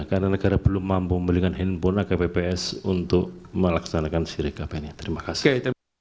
karena negara belum mampu membelikan handphone kpps untuk melaksanakan sirekap ini terima kasih